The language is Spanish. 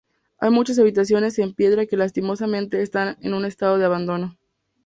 Hay muchas habitaciones en piedra que lastimosamente están en un estado de abandono.